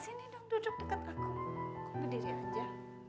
sini dong duduk deket aku kok berdiri aja